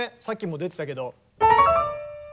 さっきも出てたけど。